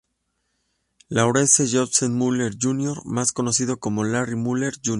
Lawrence Joseph Mullen, Jr., más conocido como Larry Mullen, Jr.